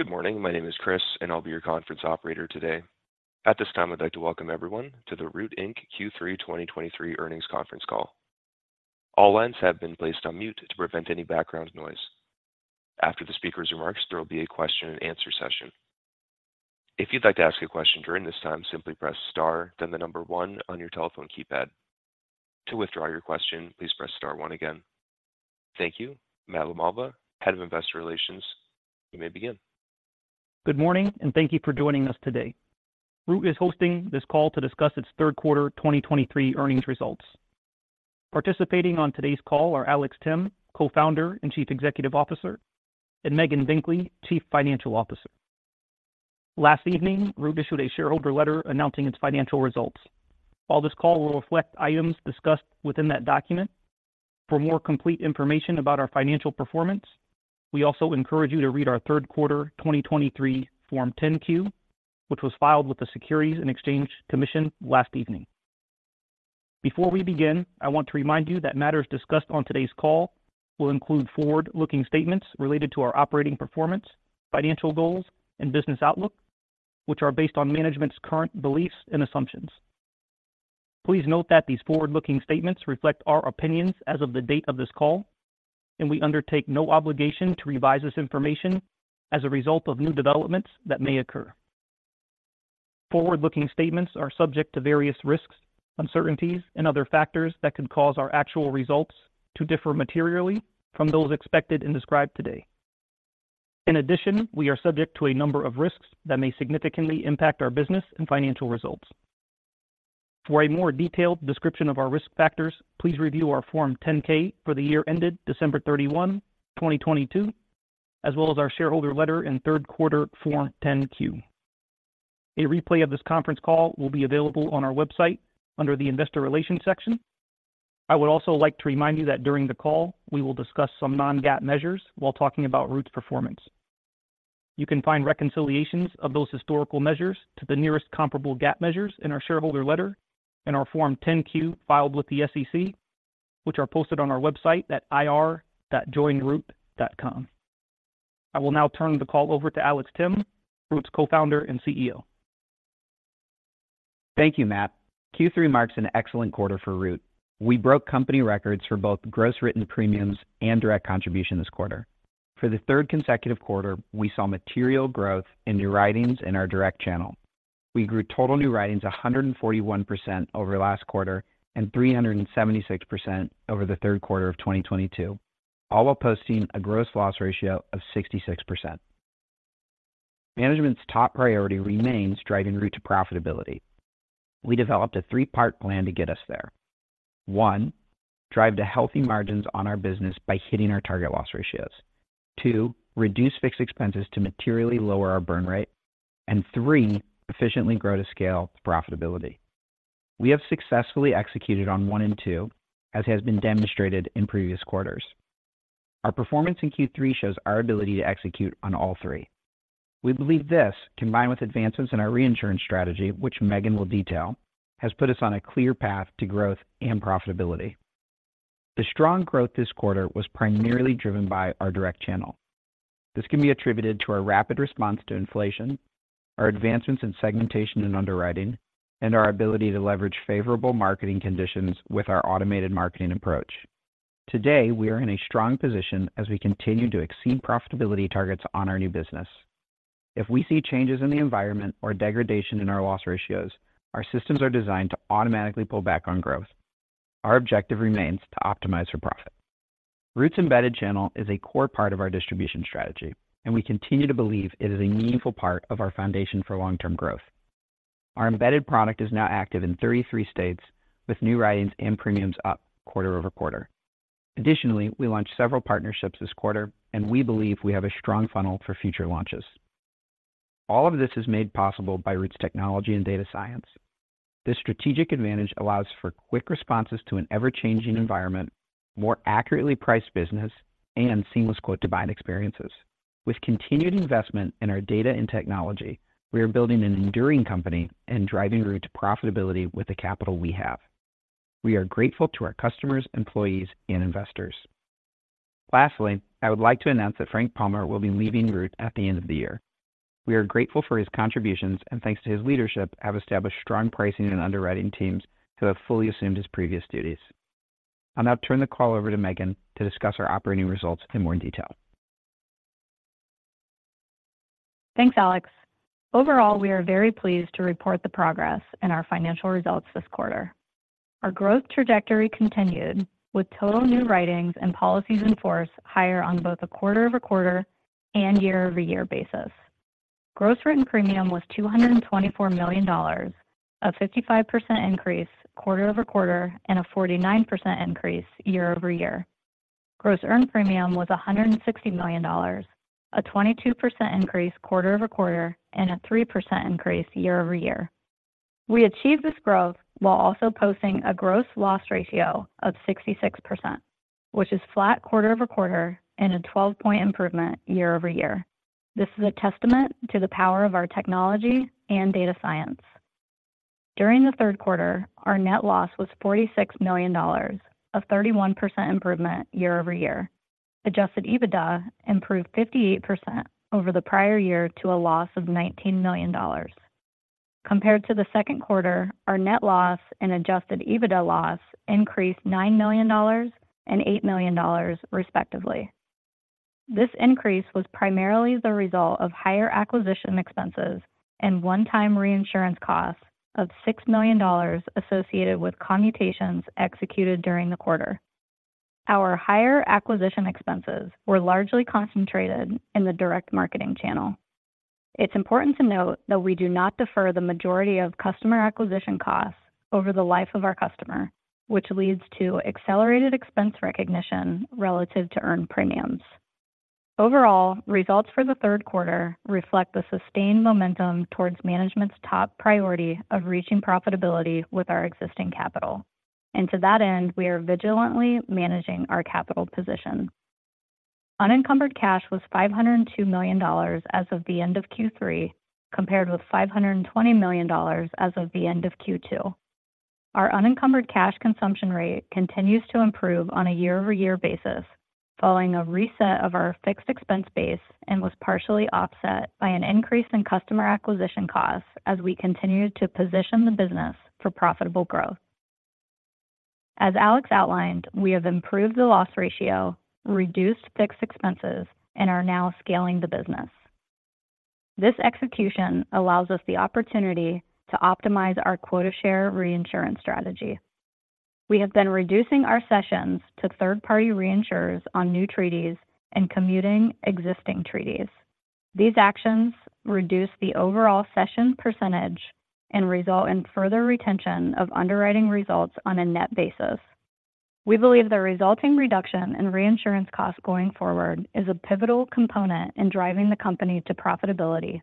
Good morning. My name is Chris, and I'll be your conference operator today. At this time, I'd like to welcome everyone to the Root Inc. Q3 2023 earnings conference call. All lines have been placed on mute to prevent any background noise. After the speaker's remarks, there will be a question and answer session. If you'd like to ask a question during this time, simply press star, then the number one on your telephone keypad. To withdraw your question, please press star one again. Thank you. Matt LaMalva, Head of Investor Relations, you may begin. Good morning, and thank you for joining us today. Root is hosting this call to discuss its third quarter 2023 earnings results. Participating on today's call are Alex Timm, Co-founder and Chief Executive Officer, and Megan Binkley, Chief Financial Officer. Last evening, Root issued a shareholder letter announcing its financial results. While this call will reflect items discussed within that document, for more complete information about our financial performance, we also encourage you to read our third quarter 2023 Form 10-Q, which was filed with the Securities and Exchange Commission last evening. Before we begin, I want to remind you that matters discussed on today's call will include forward-looking statements related to our operating performance, financial goals, and business outlook, which are based on management's current beliefs and assumptions. Please note that these forward-looking statements reflect our opinions as of the date of this call, and we undertake no obligation to revise this information as a result of new developments that may occur. Forward-looking statements are subject to various risks, uncertainties, and other factors that could cause our actual results to differ materially from those expected and described today. In addition, we are subject to a number of risks that may significantly impact our business and financial results. For a more detailed description of our risk factors, please review our Form 10-K for the year ended December 31st, 2022, as well as our shareholder letter in third quarter Form 10-Q. A replay of this conference call will be available on our website under the Investor Relations section. I would also like to remind you that during the call, we will discuss some non-GAAP measures while talking about Root's performance. You can find reconciliations of those historical measures to the nearest comparable GAAP measures in our shareholder letter and our Form 10-Q filed with the SEC, which are posted on our website at ir.joinroot.com. I will now turn the call over to Alex Timm, Root's Co-founder and CEO. Thank you, Matt. Q3 marks an excellent quarter for Root. We broke company records for both gross written premiums and direct contribution this quarter. For the third consecutive quarter, we saw material growth in new writings in our direct channel. We grew total new writings 141% over last quarter and 376% over the third quarter of 2022, all while posting a gross loss ratio of 66%. Management's top priority remains driving Root to profitability. We developed a 3-part plan to get us there. 1, drive to healthy margins on our business by hitting our target loss ratios. 2, reduce fixed expenses to materially lower our burn rate. And 3, efficiently grow to scale profitability. We have successfully executed on 1 and 2, as has been demonstrated in previous quarters. Our performance in Q3 shows our ability to execute on all three. We believe this, combined with advancements in our reinsurance strategy, which Megan will detail, has put us on a clear path to growth and profitability. The strong growth this quarter was primarily driven by our direct channel. This can be attributed to our rapid response to inflation, our advancements in segmentation and underwriting, and our ability to leverage favorable marketing conditions with our automated marketing approach. Today, we are in a strong position as we continue to exceed profitability targets on our new business. If we see changes in the environment or degradation in our loss ratios, our systems are designed to automatically pull back on growth. Our objective remains to optimize for profit. Root's embedded channel is a core part of our distribution strategy, and we continue to believe it is a meaningful part of our foundation for long-term growth. Our embedded product is now active in 33 states, with new writings and premiums up quarter-over-quarter. Additionally, we launched several partnerships this quarter, and we believe we have a strong funnel for future launches. All of this is made possible by Root's technology and data science. This strategic advantage allows for quick responses to an ever-changing environment, more accurately priced business, and seamless quote-to-bind experiences. With continued investment in our data and technology, we are building an enduring company and driving Root to profitability with the capital we have. We are grateful to our customers, employees, and investors. Lastly, I would like to announce that Frank Palmer will be leaving Root at the end of the year. We are grateful for his contributions, and thanks to his leadership, have established strong pricing and underwriting teams who have fully assumed his previous duties. I'll now turn the call over to Megan to discuss our operating results in more detail. Thanks, Alex. Overall, we are very pleased to report the progress in our financial results this quarter. Our growth trajectory continued, with total new writings and policies in force higher on both a quarter-over-quarter and year-over-year basis. Gross Written Premium was $224 million, a 55% increase quarter-over-quarter and a 49% increase year-over-year. Gross Earned Premium was $160 million, a 22% increase quarter-over-quarter and a 3% increase year-over-year. We achieved this growth while also posting a Gross Loss Ratio of 66%, which is flat quarter-over-quarter and a 12-point improvement year-over-year. This is a testament to the power of our technology and data science. During the third quarter, our net loss was $46 million, a 31% improvement year-over-year. Adjusted EBITDA improved 58% over the prior year to a loss of $19 million. Compared to the second quarter, our net loss and Adjusted EBITDA loss increased $9 million and $8 million, respectively. This increase was primarily the result of higher acquisition expenses and one-time reinsurance costs of $6 million associated with commutations executed during the quarter. Our higher acquisition expenses were largely concentrated in the direct marketing channel. It's important to note that we do not defer the majority of customer acquisition costs over the life of our customer, which leads to accelerated expense recognition relative to earned premiums. Overall, results for the third quarter reflect the sustained momentum towards management's top priority of reaching profitability with our existing capital. To that end, we are vigilantly managing our capital position. Unencumbered cash was $502 million as of the end of Q3, compared with $520 million as of the end of Q2. Our unencumbered cash consumption rate continues to improve on a year-over-year basis, following a reset of our fixed expense base, and was partially offset by an increase in customer acquisition costs as we continued to position the business for profitable growth. As Alex outlined, we have improved the loss ratio, reduced fixed expenses, and are now scaling the business. This execution allows us the opportunity to optimize our quota share reinsurance strategy. We have been reducing our cessions to third-party reinsurers on new treaties and commuting existing treaties. These actions reduce the overall cession percentage and result in further retention of underwriting results on a net basis. We believe the resulting reduction in reinsurance costs going forward is a pivotal component in driving the company to profitability.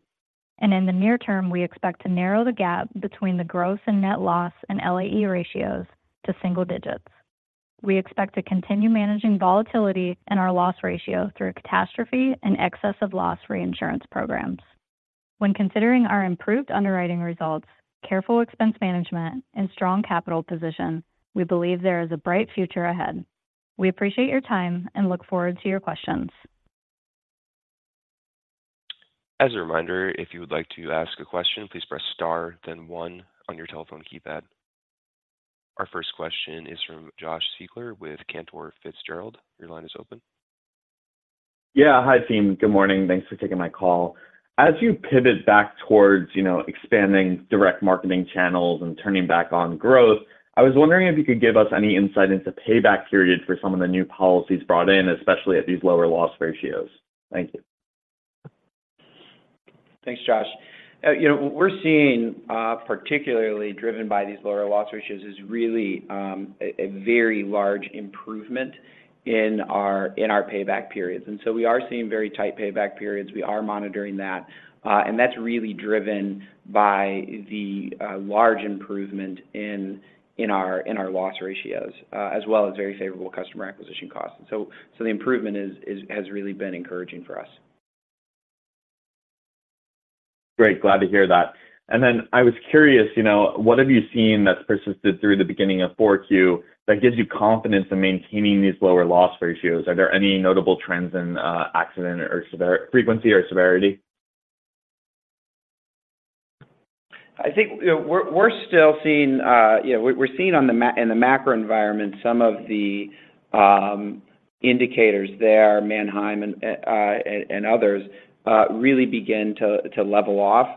In the near term, we expect to narrow the gap between the gross and net loss and LAE ratios to single digits. We expect to continue managing volatility and our loss ratio through catastrophe and excess of loss reinsurance programs. When considering our improved underwriting results, careful expense management, and strong capital position, we believe there is a bright future ahead. We appreciate your time and look forward to your questions. As a reminder, if you would like to ask a question, please press star, then one on your telephone keypad. Our first question is from Josh Siegler with Cantor Fitzgerald. Your line is open. Yeah. Hi, team. Good morning. Thanks for taking my call. As you pivot back towards, you know, expanding direct marketing channels and turning back on growth, I was wondering if you could give us any insight into payback period for some of the new policies brought in, especially at these lower loss ratios. Thank you. Thanks, Josh. You know, what we're seeing, particularly driven by these lower loss ratios, is really a very large improvement in our payback periods. And so we are seeing very tight payback periods. We are monitoring that, and that's really driven by the large improvement in our loss ratios, as well as very favorable customer acquisition costs. So the improvement has really been encouraging for us. Great. Glad to hear that. Then I was curious, you know, what have you seen that's persisted through the beginning of 4Q that gives you confidence in maintaining these lower loss ratios? Are there any notable trends in accident frequency or severity? I think, you know, we're still seeing in the macro environment, some of the indicators there, Manheim and others, really begin to level off.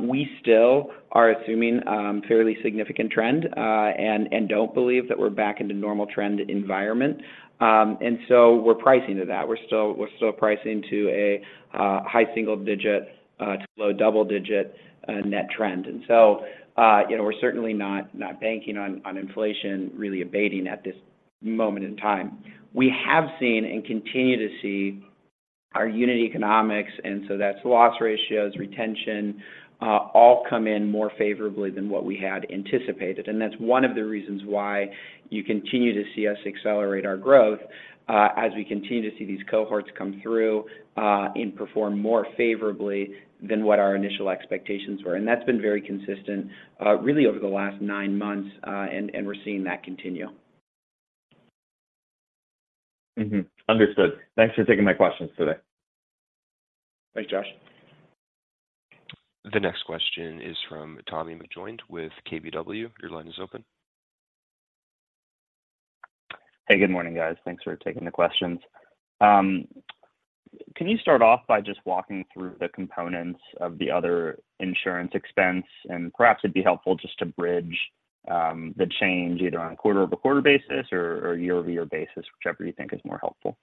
We still are assuming fairly significant trend and don't believe that we're back in the normal trend environment. And so we're pricing to that. We're still pricing to a high single digit to low double digit net trend. And so, you know, we're certainly not banking on inflation really abating at this moment in time. We have seen and continue to see our unit economics, and so that's loss ratios, retention, all come in more favorably than what we had anticipated. That's one of the reasons why you continue to see us accelerate our growth, as we continue to see these cohorts come through, and perform more favorably than what our initial expectations were. That's been very consistent, really over the last nine months, and we're seeing that continue. Understood. Thanks for taking my questions today. Thanks, Josh. The next question is from Tommy McJoynt with KBW. Your line is open. Hey, good morning, guys. Thanks for taking the questions. Can you start off by just walking through the components of the Other Insurance Expense? Perhaps it'd be helpful just to bridge the change either on a quarter-over-quarter basis or year-over-year basis, whichever you think is more helpful.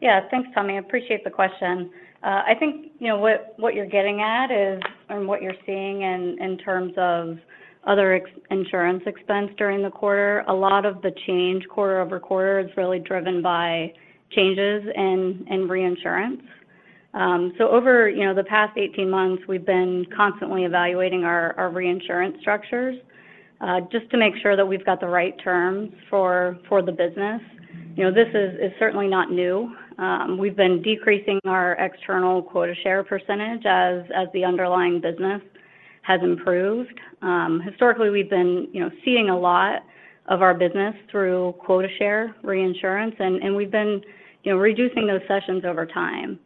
Yeah. Thanks, Tommy. I appreciate the question. I think, you know, what, what you're getting at is, and what you're seeing in, in terms of other insurance expense during the quarter, a lot of the change quarter-over-quarter is really driven by changes in, in reinsurance. So over, you know, the past 18 months, we've been constantly evaluating our, our reinsurance structures, just to make sure that we've got the right terms for, for the business. You know, this is certainly not new. We've been decreasing our external quota share percentage as, as the underlying business has improved. Historically, we've been, you know, seeing a lot of our business through quota share reinsurance, and, and we've been, you know, reducing those cessions over time.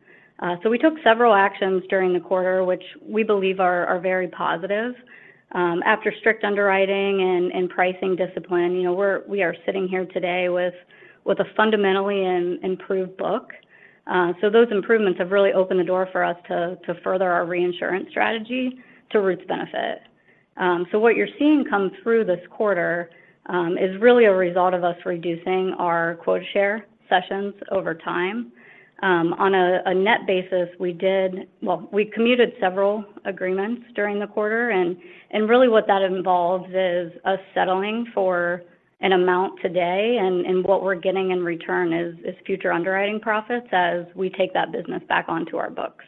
So we took several actions during the quarter, which we believe are, are very positive. After strict underwriting and pricing discipline, you know, we are sitting here today with a fundamentally improved book. So those improvements have really opened the door for us to further our reinsurance strategy to Root's benefit. So what you're seeing come through this quarter is really a result of us reducing our quota share cessions over time. On a net basis, we did well, we commuted several agreements during the quarter, and really what that involves is us settling for an amount today, and what we're getting in return is future underwriting profits as we take that business back onto our books.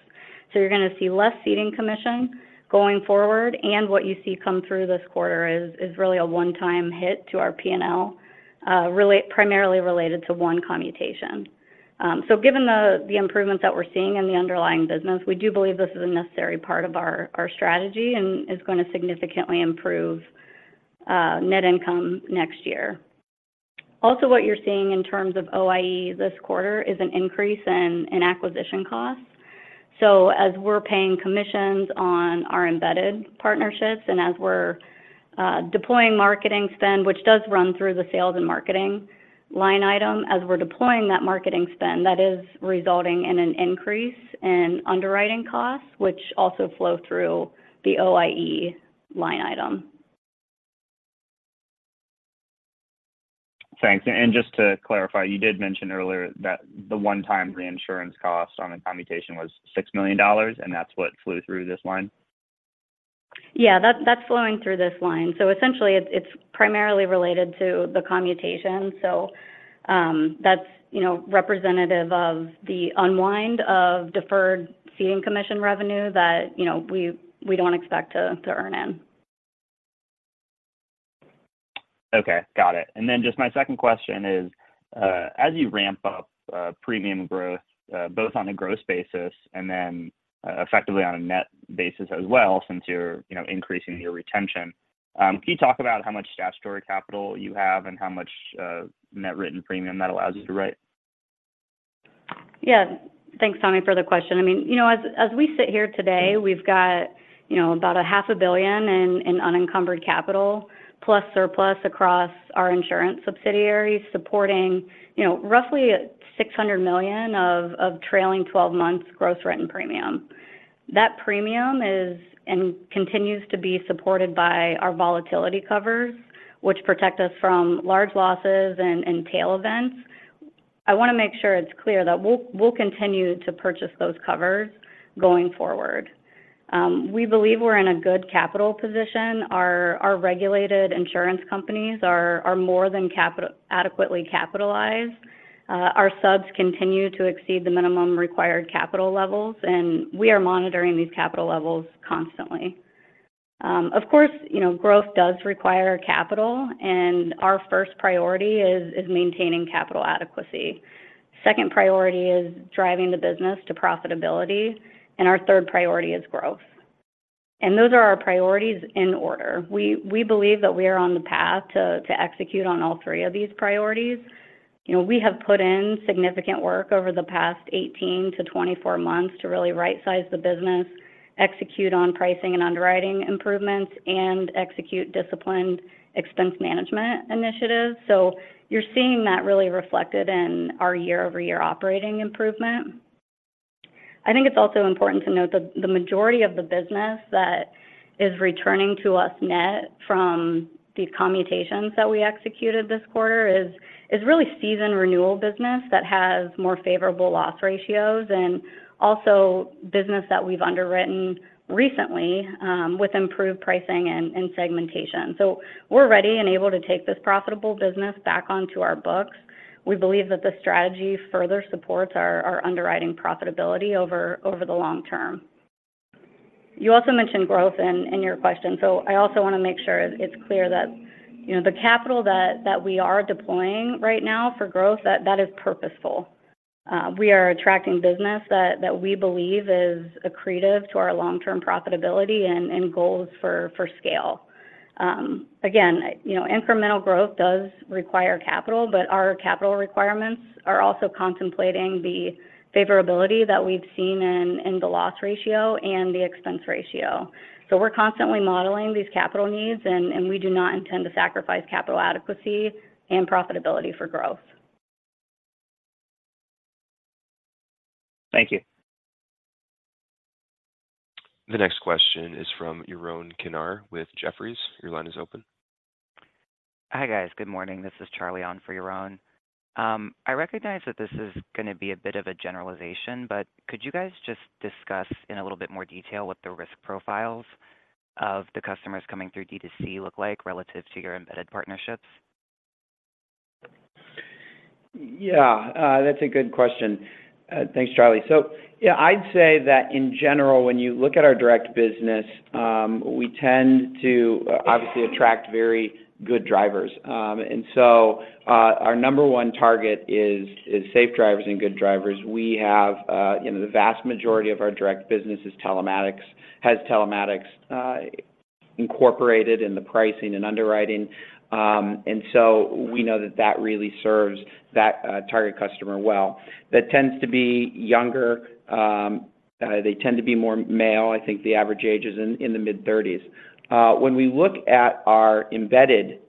So you're going to see less ceding commission going forward, and what you see come through this quarter is really a one-time hit to our P&L, primarily related to one commutation. So given the improvements that we're seeing in the underlying business, we do believe this is a necessary part of our strategy and is going to significantly improve net income next year. Also, what you're seeing in terms of OIE this quarter is an increase in acquisition costs. So as we're paying commissions on our embedded partnerships and as we're deploying marketing spend, which does run through the sales and marketing line item, as we're deploying that marketing spend, that is resulting in an increase in underwriting costs, which also flow through the OIE line item. Thanks. And just to clarify, you did mention earlier that the one-time reinsurance cost on the commutation was $6 million, and that's what flew through this line? Yeah, that's flowing through this line. So essentially, it's primarily related to the commutation. So, that's, you know, representative of the unwind of deferred ceding commission revenue that, you know, we don't expect to earn in. Okay, got it. And then just my second question is, as you ramp up premium growth, both on a gross basis and then effectively on a net basis as well, since you're, you know, increasing your retention, can you talk about how much statutory capital you have and how much net written premium that allows you to write? Yeah. Thanks, Tommy, for the question. I mean, you know, as we sit here today, we've got, you know, about $500 million in unencumbered capital, plus surplus across our insurance subsidiaries, supporting, you know, roughly $600 million of trailing twelve months gross written premium. That premium is and continues to be supported by our volatility covers, which protect us from large losses and tail events. I want to make sure it's clear that we'll continue to purchase those covers going forward. We believe we're in a good capital position. Our regulated insurance companies are more than adequately capitalized. Our subs continue to exceed the minimum required capital levels, and we are monitoring these capital levels constantly. Of course, you know, growth does require capital, and our first priority is maintaining capital adequacy. Second priority is driving the business to profitability, and our third priority is growth. Those are our priorities in order. We, we believe that we are on the path to, to execute on all three of these priorities. You know, we have put in significant work over the past 18-24 months to really right-size the business, execute on pricing and underwriting improvements, and execute disciplined expense management initiatives. So you're seeing that really reflected in our year-over-year operating improvement. I think it's also important to note that the majority of the business that is returning to us net from these commutations that we executed this quarter is, is really season renewal business that has more favorable loss ratios and also business that we've underwritten recently, with improved pricing and, and segmentation. So we're ready and able to take this profitable business back onto our books. We believe that the strategy further supports our underwriting profitability over the long term. You also mentioned growth in your question. So I also want to make sure it's clear that, you know, the capital that we are deploying right now for growth, that is purposeful. We are attracting business that we believe is accretive to our long-term profitability and goals for scale. Again, you know, incremental growth does require capital, but our capital requirements are also contemplating the favorability that we've seen in the loss ratio and the expense ratio. So we're constantly modeling these capital needs, and we do not intend to sacrifice capital adequacy and profitability for growth. Thank you. The next question is from Yaron Kinar with Jefferies. Your line is open. Hi, guys. Good morning. This is Charlie on for Yaron. I recognize that this is going to be a bit of a generalization, but could you guys just discuss in a little bit more detail what the risk profiles of the customers coming through D2C look like relative to your embedded partnerships? Yeah, that's a good question. Thanks, Charlie. So yeah, I'd say that in general, when you look at our direct business, we tend to obviously attract very good drivers. And so our number one target is safe drivers and good drivers. We have, you know, the vast majority of our direct business is telematics, has telematics incorporated in the pricing and underwriting, and so we know that that really serves that target customer well. That tends to be younger, they tend to be more male. I think the average age is in the mid-thirties. When we look at our embedded,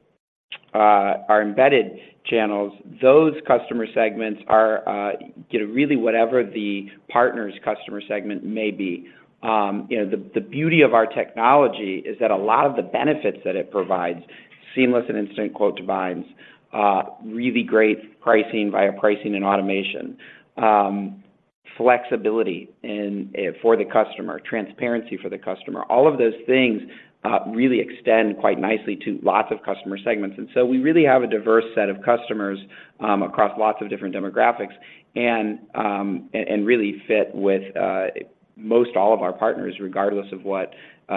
our embedded channels, those customer segments are, you know, really whatever the partner's customer segment may be. You know, the beauty of our technology is that a lot of the benefits that it provides, seamless and instant quote to binds, really great pricing via pricing and automation, flexibility in for the customer, transparency for the customer. All of those things really extend quite nicely to lots of customer segments. And so we really have a diverse set of customers across lots of different demographics, and really fit with most all of our partners, regardless of what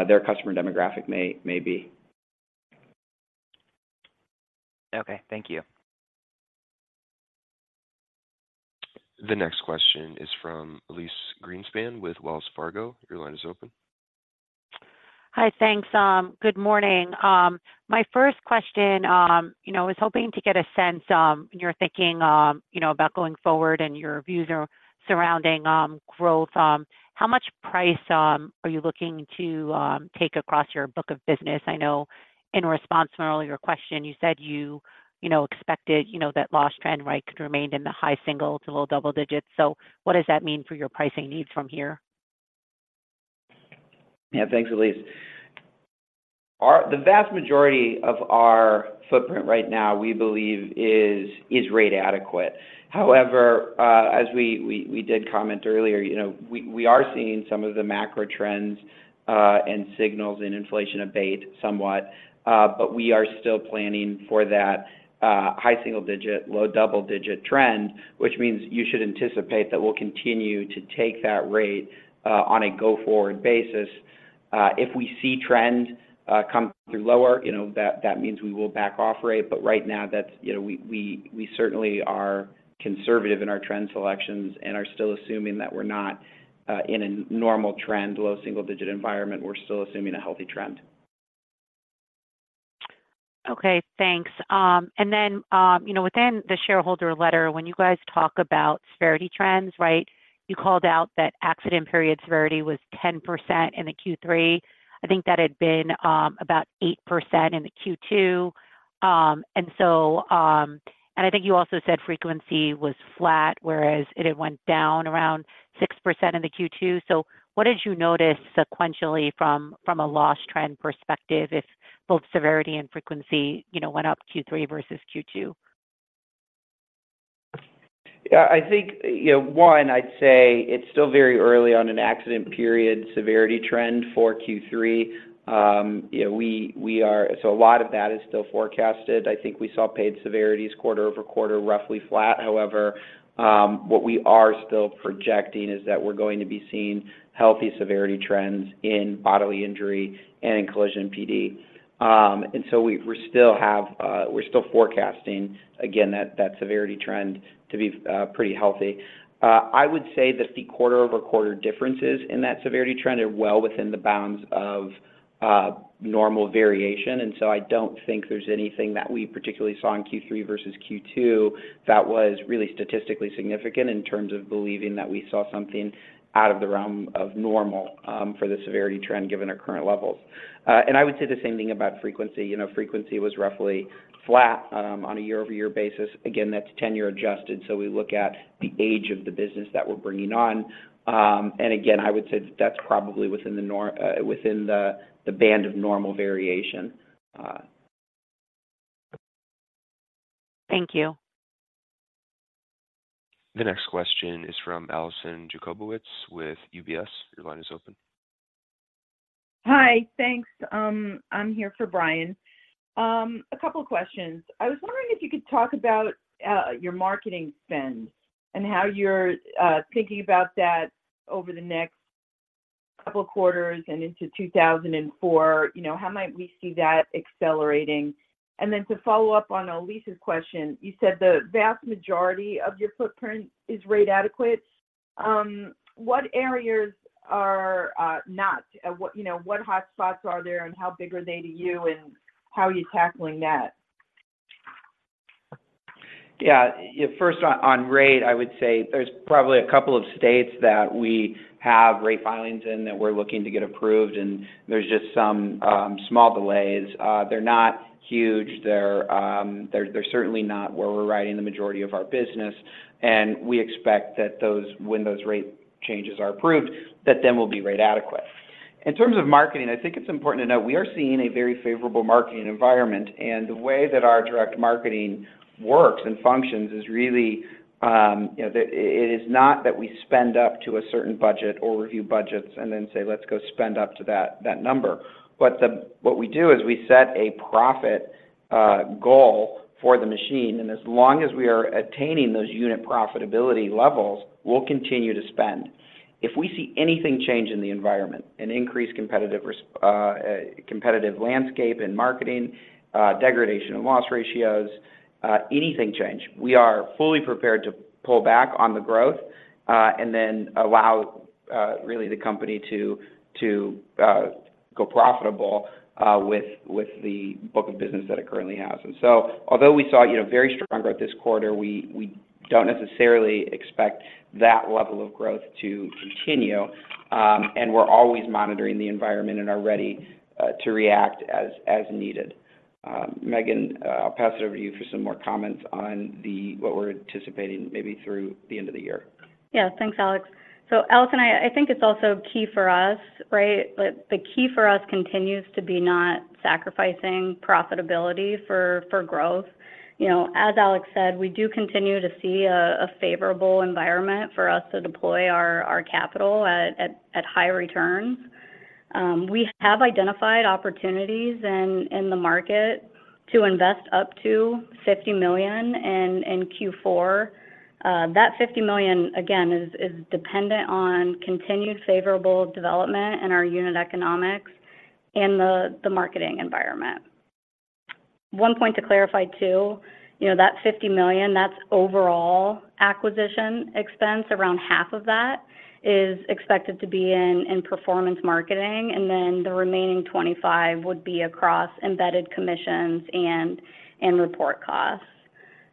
their customer demographic may be. Okay, thank you. The next question is from Elyse Greenspan with Wells Fargo. Your line is open. Hi, thanks. Good morning. My first question, you know, I was hoping to get a sense, your thinking, you know, about going forward and your views are surrounding, growth. How much price, are you looking to, take across your book of business? I know in response to an earlier question, you said you, you know, expected, you know, that loss trend, right, could remain in the high singles to low double digits. So what does that mean for your pricing needs from here? Yeah, thanks, Elyse. Our the vast majority of our footprint right now, we believe is rate adequate. However, as we did comment earlier, you know, we are seeing some of the macro trends and signals in inflation abate somewhat, but we are still planning for that high single digit, low double digit trend, which means you should anticipate that we'll continue to take that rate on a go-forward basis. If we see trend come through lower, you know, that means we will back off rate. But right now, that's, you know, we certainly are conservative in our trend selections and are still assuming that we're not in a normal trend, low single digit environment. We're still assuming a healthy trend. Okay, thanks. And then, you know, within the shareholder letter, when you guys talk about severity trends, right? You called out that accident period severity was 10% in the Q3. I think that had been about 8% in the Q2. And so, I think you also said frequency was flat, whereas it had went down around 6% in the Q2. So what did you notice sequentially from a loss trend perspective, if both severity and frequency, you know, went up Q3 versus Q2? Yeah, I think, you know, one, I'd say it's still very early on in accident period severity trend for Q3. You know, we are. So a lot of that is still forecasted. I think we saw paid severities quarter-over-quarter, roughly flat. However, what we are still projecting is that we're going to be seeing healthy severity trends in Bodily Injury and in Collision PD. And so we're still forecasting, again, that severity trend to be pretty healthy. I would say that the quarter-over-quarter differences in that severity trend are well within the bounds of normal variation, and so I don't think there's anything that we particularly saw in Q3 versus Q2 that was really statistically significant in terms of believing that we saw something out of the realm of normal for the severity trend, given our current levels. And I would say the same thing about frequency. You know, frequency was roughly flat on a year-over-year basis. Again, that's 10-year adjusted, so we look at the age of the business that we're bringing on. And again, I would say that's probably within the band of normal variation. Thank you. The next question is from Alison Jacobowitz with UBS. Your line is open. Hi, thanks. I'm here for Brian. A couple of questions. I was wondering if you could talk about your marketing spends and how you're thinking about that over the next couple of quarters and into 2024. You know, how might we see that accelerating? And then to follow up on Elyse's question, you said the vast majority of your footprint is rate adequate. What areas are not? You know, what hotspots are there, and how big are they to you, and how are you tackling that? Yeah. First on rate, I would say there's probably a couple of states that we have rate filings in that we're looking to get approved, and there's just some small delays. They're not huge. They're certainly not where we're writing the majority of our business, and we expect that those, when those rate changes are approved, that then we'll be rate adequate. In terms of marketing, I think it's important to note we are seeing a very favorable marketing environment, and the way that our direct marketing works and functions is really, you know, that it, it is not that we spend up to a certain budget or review budgets and then say, "Let's go spend up to that, that number." But what we do is we set a profit goal for the machine, and as long as we are attaining those unit profitability levels, we'll continue to spend. If we see anything change in the environment, an increased competitive landscape in marketing, degradation in loss ratios, anything change, we are fully prepared to pull back on the growth, and then allow really the company to go profitable, with the book of business that it currently has. And so although we saw, you know, very strong growth this quarter, we, we don't necessarily expect that level of growth to continue. And we're always monitoring the environment and are ready to react as, as needed. Megan, I'll pass it over to you for some more comments on the, what we're anticipating maybe through the end of the year. Yeah. Thanks, Alex. So Alex and I, I think it's also key for us, right? But the key for us continues to be not sacrificing profitability for growth. You know, as Alex said, we do continue to see a favorable environment for us to deploy our capital at high returns. We have identified opportunities in the market to invest up to $50 million in Q4. That $50 million, again, is dependent on continued favorable development in our unit economics and the marketing environment. One point to clarify, too, you know, that $50 million, that's overall acquisition expense. Around half of that is expected to be in performance marketing, and then the remaining $25 million would be across embedded commissions and report costs.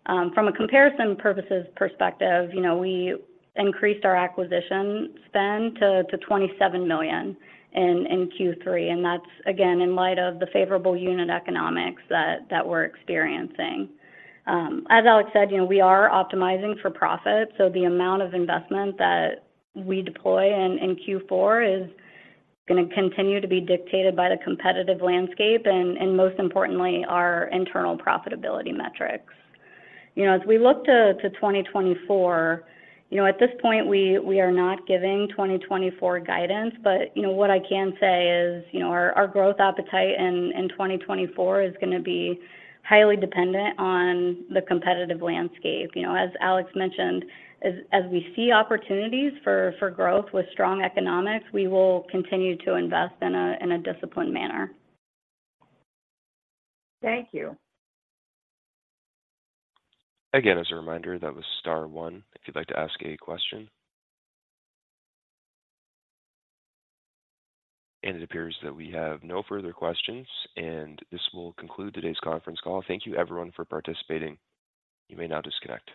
From a comparison purposes perspective, you know, we increased our acquisition spend to $27 million in Q3, and that's again, in light of the favorable unit economics that we're experiencing. As Alex said, you know, we are optimizing for profit, so the amount of investment that we deploy in Q4 is gonna continue to be dictated by the competitive landscape and, most importantly, our internal profitability metrics. You know, as we look to 2024, you know, at this point, we are not giving 2024 guidance. But, you know, what I can say is, you know, our growth appetite in 2024 is gonna be highly dependent on the competitive landscape. You know, as Alex mentioned, as we see opportunities for growth with strong economics, we will continue to invest in a disciplined manner. Thank you. Again, as a reminder, that was star one if you'd like to ask a question. It appears that we have no further questions, and this will conclude today's conference call. Thank you, everyone, for participating. You may now disconnect.